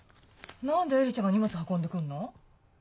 何で恵里ちゃんが荷物を運んでくるの？